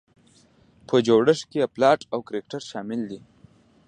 په جوړښت کې یې پلاټ او کرکټر شامل دي.